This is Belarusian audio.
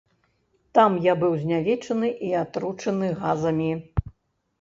Там я быў знявечаны і атручаны газамі.